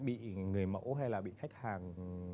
bị người mẫu hay là bị khách hàng